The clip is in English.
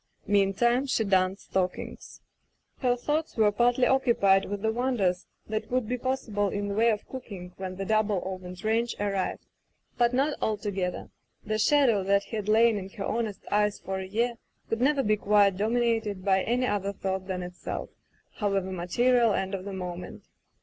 Meantime she darned stockings. Her thoughts were partly occupied with the wonders that would be possible in the way of cooking when the double ovened range arrived; but not altogether. The shadow that had lain in her honest eyes for a year could never be quite dominated by any other thought than itself, however material and of the moment.